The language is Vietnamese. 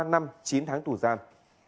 ba năm chín tháng tù gian